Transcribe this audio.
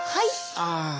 ああ。